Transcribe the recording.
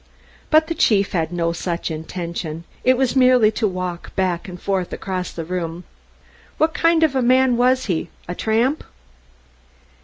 But the chief had no such intention; it was merely to walk back and forth across the room. "What kind of man was he a tramp?"